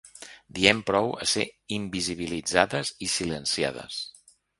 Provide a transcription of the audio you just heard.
Diem prou a ser invisibilitzades i silenciades.